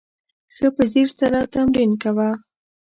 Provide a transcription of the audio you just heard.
ښه په ځیر سره تمرین کوه !